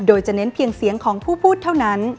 โดยจะเน้นเพียงเสียงของผู้พูดเท่านั้น